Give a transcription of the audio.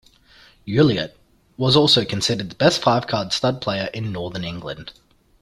Ulliott was also considered the best five-card stud player in Northern England.